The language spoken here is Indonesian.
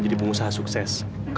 aku tunggu dulu deh